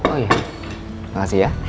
oh iya terima kasih ya